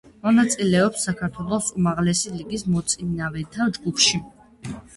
მონაწილეობს საქართველოს უმაღლესი ლიგის მოწინავეთა ჯგუფში.